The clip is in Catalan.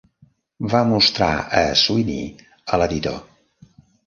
Va mostrar a Sweeney a l'editor.